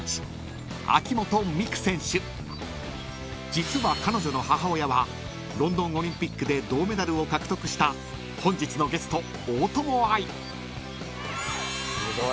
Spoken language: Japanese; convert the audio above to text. ［実は彼女の母親はロンドンオリンピックで銅メダルを獲得した本日のゲスト大友愛］